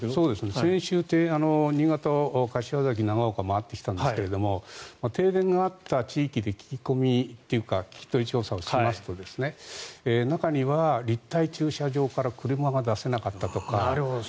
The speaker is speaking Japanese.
先週、新潟の柏崎、長岡を回ってきたんですが停電があった地域で聞き込みというか聞き取り調査をしますと中には立体駐車場から車が出せなかったとか。